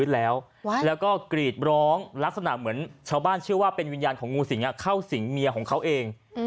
แล้วก็กรีดร้องลักษณะเหมือนชาวบ้านเชื่อว่าเป็นวิญญาณของงูสิงเข้าสิงเมียของเขาเอง